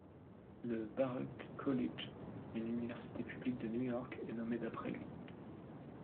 Le Baruch College, une université publique de New York, est nommé d'après lui.